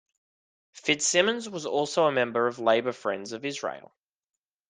Fitzsimons was also a member of Labour Friends of Israel.